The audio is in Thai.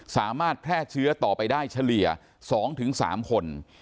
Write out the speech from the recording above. สามารถแพร่เชื้อต่อไปได้เฉลี่ย๒๓คน